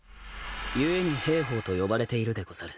故に平法と呼ばれているでござる。